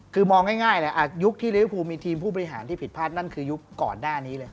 คือมองง่ายแหละยุคที่ริวภูมีทีมผู้บริหารที่ผิดพลาดนั่นคือยุคก่อนหน้านี้เลย